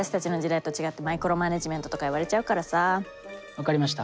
分かりました。